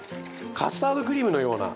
カスタードクリームのような。